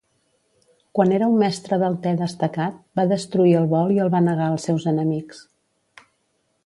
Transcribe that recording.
Quan era un mestre del te destacat, va destruir el bol i el va negar als seus enemics.